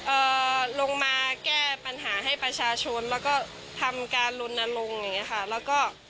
เอ่อลงมาแก้ปัญหาให้ประชาชนแล้วก็ทำการลนลงอย่างเงี้ค่ะแล้วก็